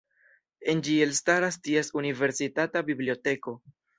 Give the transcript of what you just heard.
En ĝi elstaras ties universitata biblioteko.